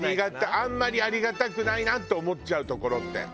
あんまりありがたくないなと思っちゃうところって。